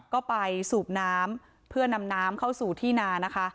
ก็ไปสูบน้ำเพื่อนำน้ำเข้าสู่ที่นานะคะ